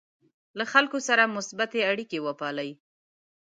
له خلکو سره مثبتې اړیکې وپالئ.